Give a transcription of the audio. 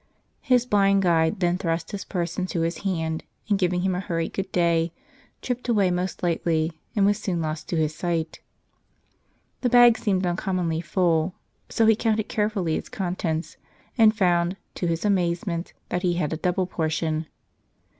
His blind guide then thrust his purse into his hand, and giving him a hurried good day, tripped away most lightly, and was soon lost to his sight. The bag seemed uncommonly full ; so he counted carefully its contents, and found, to his amazement, that he had a double portion.